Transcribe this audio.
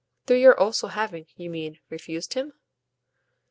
"Through your also having, you mean, refused him?"